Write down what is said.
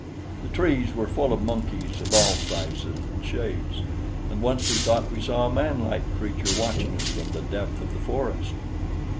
The trees were full of monkeys of all sizes and shades, and once we thought we saw a manlike creature watching us from the depth of the forest.